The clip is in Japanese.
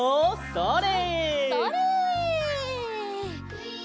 それ！